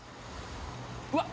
うわっ！